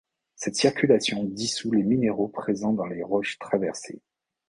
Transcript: Cette circulation dissout les minéraux présents dans les roches traversées.